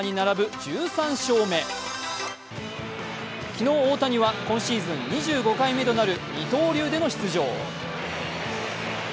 昨日、大谷は今シーズン２５回目となる二刀流での出場。